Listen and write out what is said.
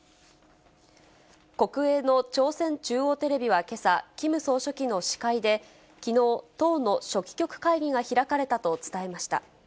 国営の朝鮮中央テレビはけさ、キム総書記の司会で、きのう、党の書記局会議が開かれたと伝えました。